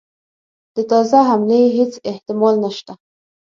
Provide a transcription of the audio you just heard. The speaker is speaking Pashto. د تازه حملې هیڅ احتمال نسته.